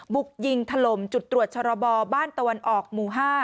บุกยิงถล่มจุดตรวจชรบบ้านตะวันออกหมู่๕